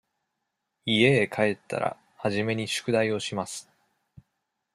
家へ帰ったら、初めに宿題をします。